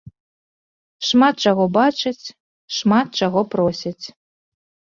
Шмат чаго бачаць, шмат чаго просяць.